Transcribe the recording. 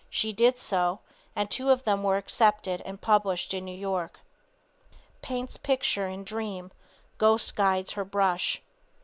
She did so, and two of them were accepted and published in New York. PAINTS PICTURE IN DREAM, GHOST GUIDES HER BRUSH.